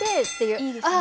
いいですね。